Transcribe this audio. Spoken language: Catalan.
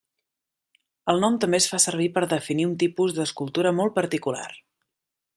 El nom també es fa servir per definir un tipus d'escultura molt particular.